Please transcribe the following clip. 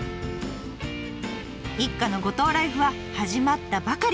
一家の五島ライフは始まったばかり。